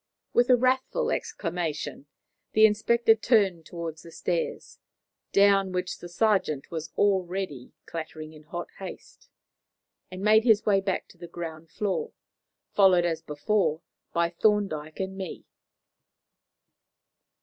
With a wrathful exclamation, the inspector turned towards the stairs, down which the sergeant was already clattering in hot haste, and made his way back to the ground floor, followed, as before, by Thorndyke and me.